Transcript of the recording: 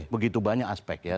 begitu banyak aspek ya